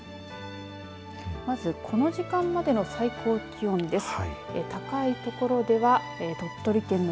この時間までの最高気温です。